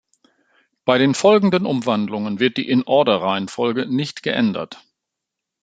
Bei den folgenden Umwandlungen wird die in-order-Reihenfolge nicht geändert.